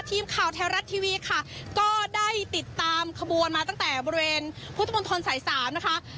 ทีมข่าวแท้รัฐทีวีค่ะก็ได้ติดตามขบวนมาตั้งแต่บริเวณพุทธมนตรสายสามนะคะ